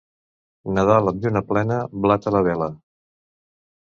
Nadal amb lluna plena, blat a la vela.